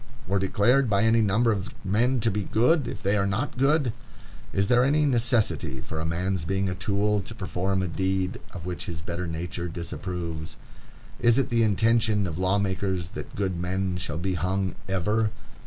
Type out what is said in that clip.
or declared by any number of men to be good, if they are not good? Is there any necessity for a man's being a tool to perform a deed of which his better nature disapproves? Is it the intention of law makers that good men shall be hung ever?